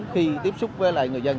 khi tiếp xúc với người dân